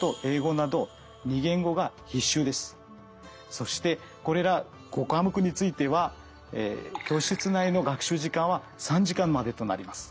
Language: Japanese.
そしてこれら５科目については教室内の学習時間は３時間までとなります。